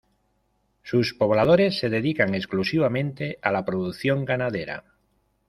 Sus pobladores se dedican exclusivamente a la producción ganadera.